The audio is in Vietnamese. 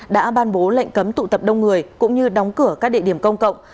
đã ban bố lệnh cấm tụ tập đông người cũng như đóng cửa các địa điểm công cộng